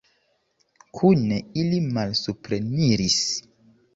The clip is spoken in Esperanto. Kune ili malsupreniris.